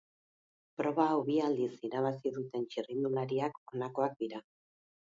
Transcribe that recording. Proba hau bi aldiz irabazi duten txirrindulariak honakoak dira.